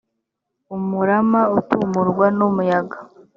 umurama utumurwa n umuyaga